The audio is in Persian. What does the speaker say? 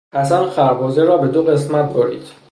حسن خربزه را به دو قسمت برید.